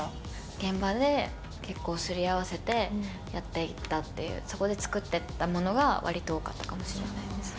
現場で結構すり合わせてやっていったっていう、そこで作っていったものが、わりと多かったかもしれないです。